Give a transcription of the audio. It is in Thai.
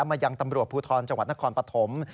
มายังตำรวจภูทรจังหวัดนครปฐม